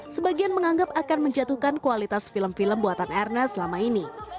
sebagian menganggap akan menjatuhkan kualitas film film buatan ernest selama ini